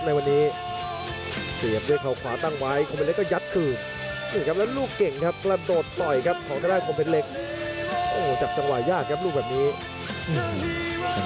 จับจังหวะญาติครับลูกเก่งครับกระโดดต่อยครับของชะน้ำขมเพชรเล็ก